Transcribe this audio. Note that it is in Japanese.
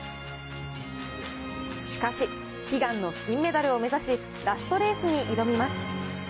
しかし、悲願の金メダルを目指し、ラストレースに挑みます。